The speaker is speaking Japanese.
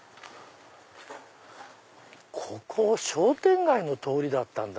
ここ商店街の通りだったんだ。